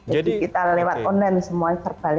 jadi kita lewat online semua